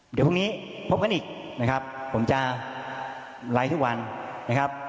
เดี๋ยวพรุ่งนี้พบกันอีกนะครับผมจะไลค์ทุกวันนะครับ